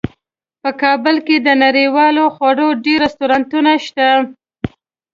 په کابل کې د نړیوالو خوړو ډیر رستورانتونه شته